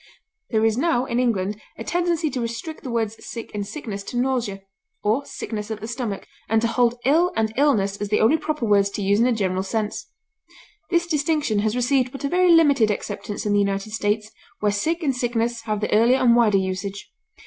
There is now, in England, a tendency to restrict the words sick and sickness to nausea, or "sickness at the stomach," and to hold ill and illness as the only proper words to use in a general sense. This distinction has received but a very limited acceptance in the United States, where sick and sickness have the earlier and wider usage.